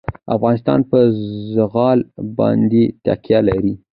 افغانستان په زغال باندې تکیه لري.